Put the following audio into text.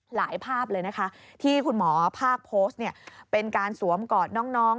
หลายภาพเลยที่หมอภาคโพสต์เป็นการสวมกอดน้อง